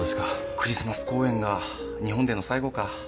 クリスマス公演が日本での最後か。